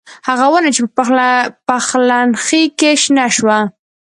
هغه ونه چې په پخلنخي کې شنه شوه